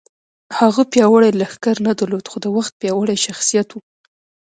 هغه پیاوړی لښکر نه درلود خو د وخت پیاوړی شخصیت و